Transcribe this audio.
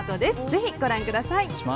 ぜひご覧ください。